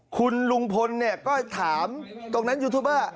คุณลุงพลก็ถามตรงนั้นยูทูบเบอร์